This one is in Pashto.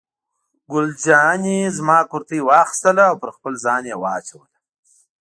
ګل جانې زما کورتۍ واخیستله او پر خپل ځان یې واچوله.